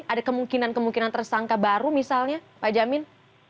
ada kemungkinan kemungkinan tersangka baru misalnya pak jamin